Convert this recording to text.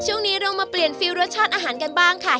ช่วงนี้เรามาเปลี่ยนฟิลรสชาติอาหารกันบ้างค่ะ